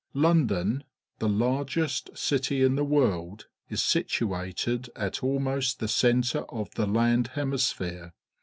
— London, the largest city in the world, is situated at almost the centre of the Land Hemisphere.